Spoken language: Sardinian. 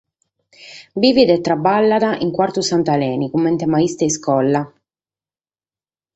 Bivet e traballat in Cuartu Sant’Aleni comente maistru de iscola.